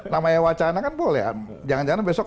namanya wacana kan boleh jangan jangan besok